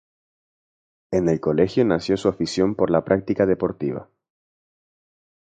En el colegio nació su afición por la práctica deportiva.